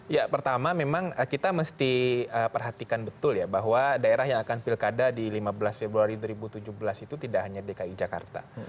ya pertama memang kita mesti perhatikan betul ya bahwa daerah yang akan pilkada di lima belas februari dua ribu tujuh belas itu tidak hanya dki jakarta